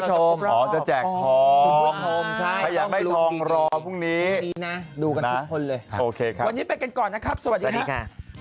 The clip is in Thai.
จะแจกทองถ้าอยากได้ทองรอพรุ่งนี้ดูกันทุกคนเลยวันนี้ไปกันก่อนนะครับสวัสดีค่ะ